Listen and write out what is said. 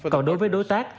còn đối với đối tác